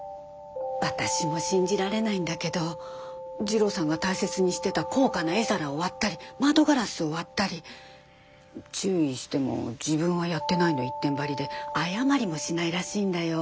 私も信じられないんだけど次郎さんが大切にしてた高価な絵皿を割ったり窓ガラスを割ったり注意しても自分はやってないの一点張りで謝りもしないらしいんだよ。